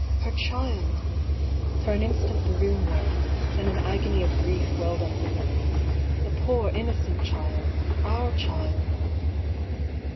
Her child I For an instant the room whirled ; then an agony of grief welled up within me. The poor, inno cent child !— our child